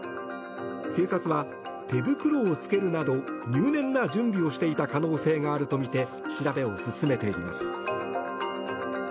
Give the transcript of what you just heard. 警察は手袋を着けるなど入念な準備をしていた可能性があるとみて調べを進めています。